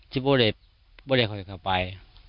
ที่โบเด็กโบเด็กค่อยไป